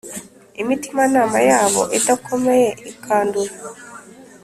imitimanama yabo idakomeye ikandura